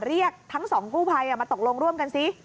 เรียกทั้งสองกู้ภัยมาตกลงร่วมกันซิ